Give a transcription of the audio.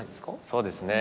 そうですね